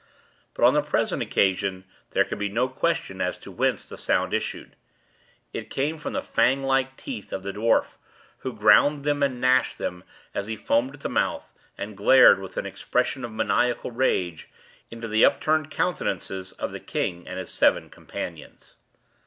But, on the present occasion, there could be no question as to whence the sound issued. It came from the fang like teeth of the dwarf, who ground them and gnashed them as he foamed at the mouth, and glared, with an expression of maniacal rage, into the upturned countenances of the king and his seven companions.